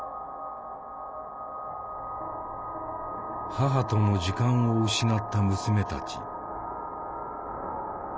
母との時間を失った娘たち。